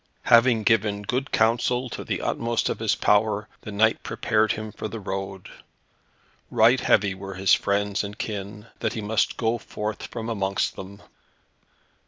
Having given good counsel to the utmost of his power, the knight prepared him for the road. Right heavy were his friends and kin, that he must go forth from amongst them.